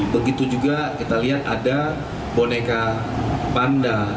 begitu juga kita lihat ada boneka panda